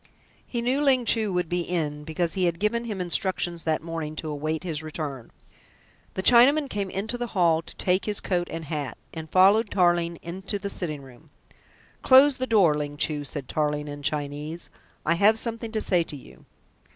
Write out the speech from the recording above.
He knew Ling Chu would be in, because he had given him instructions that morning to await his return. The Chinaman came into the hall to take his coat and hat, and followed Tarling into the sitting room. "Close the door, Ling Chu," said Tarling in Chinese. "I have something to say to you."